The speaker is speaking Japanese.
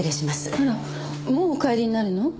あらもうお帰りになるの？